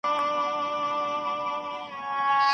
هم تر اصل هم غیرت بادار ته تېر وي